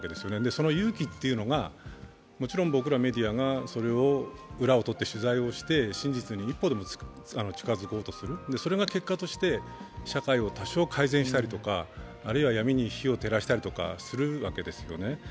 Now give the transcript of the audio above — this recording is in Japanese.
その勇気が僕らメディアがそれを裏をとって取材をして真実に一歩でも近づこうとする、それが結果として社会を多少改善したりとか、あるいは闇に日を照らしたりとかするわけですよね。